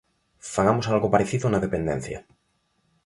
Fagamos algo parecido na dependencia.